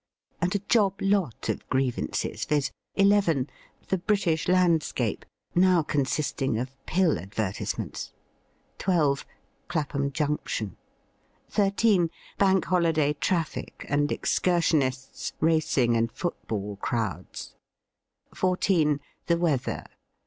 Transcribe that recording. And a job lot of grievances, viz.: 11. The British landscape, now consisting of pill advertisements. 12. Clapham Junction. 13. Bank Holiday traffic and excursionists, racing and football crowds. 14. The weather.